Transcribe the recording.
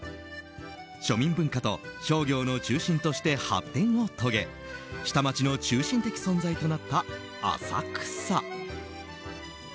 庶民文化と商業の中心として発展を遂げ下町の中心的存在となった浅草。